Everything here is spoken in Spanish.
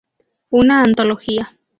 Una antología".